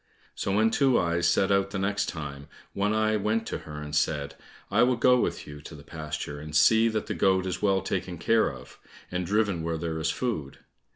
So when Two eyes set out the next time, One eye went to her and said, "I will go with you to the pasture, and see that the goat is well taken care of, and driven where there is food."